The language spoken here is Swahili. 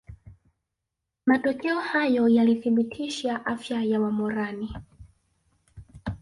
Matokeo hayo yalithibitisha afya ya Wamoran